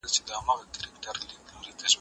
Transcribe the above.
هغه وويل چي ليکنه مهمه ده!.